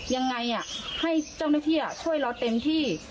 ยังไงให้เจ้าหน้าที่ช่วยเราเต็มที่